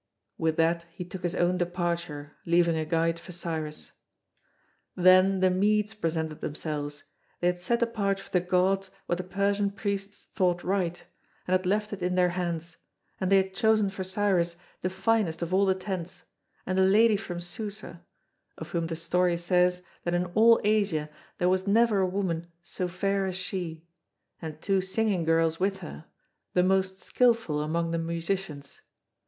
With that he took his own departure, leaving a guide for Cyrus. Then the Medes presented themselves; they had set apart for the gods what the Persian Priests thought right, and had left it in their hands, and they had chosen for Cyrus the finest of all the tents, and a lady from Susa, of whom the story says that in all Asia there was never a woman so fair as she, and two singing girls with her, the most skilful among the musicians.